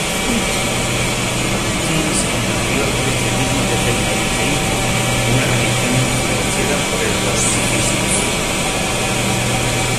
Agustín se convirtió al cristianismo desde el maniqueísmo, una religión influenciada por el gnosticismo.